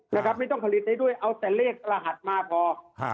นะครับไม่ต้องผลิตได้ด้วยเอาแต่เลขรหัสมาพอฮะ